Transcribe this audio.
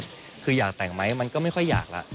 คืออยากแต่งไหมมันก็ไม่ค่อยอยากแล้ว